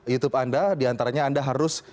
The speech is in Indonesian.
youtube anda diantaranya anda harus